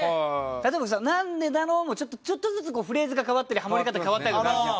例えばさ「なんでだろう」もちょっとずつフレーズが変わったりハモり方変わったりとかあるじゃん。